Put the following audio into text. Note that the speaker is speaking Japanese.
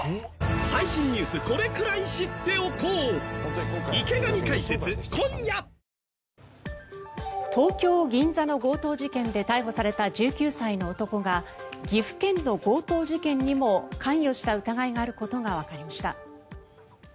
東京海上日動東京・銀座の強盗事件で逮捕された１９歳の男が岐阜県の強盗事件にも関与した疑いがあることがわかりました。